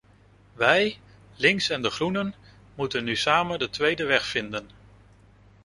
Wij, links en de groenen, moeten nu samen de tweede weg vinden.